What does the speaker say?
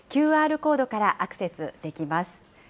ＱＲコードからアクセスできます。